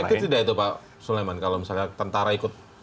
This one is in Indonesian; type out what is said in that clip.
tapi tidak itu pak suleman kalau misalnya tentara ikut